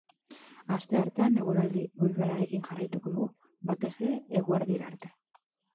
Asteartean eguraldi goibelarekin jarraituko dugu, batez ere eguerdira arte.